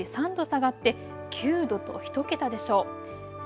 最低気温はけさより３度下がって９度と、１桁でしょう。